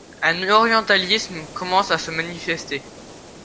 Un orientalisme commence à se manifester.